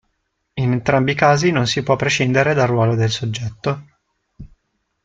In entrambi i casi non si può prescindere dal ruolo del soggetto.